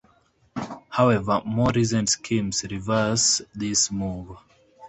However, more recent schemes reverse this move.